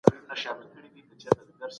دوی يوازې د ازموينې کاميابۍ لپاره درس وايي.